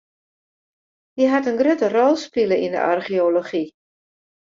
Hy hat in grutte rol spile yn de archeology.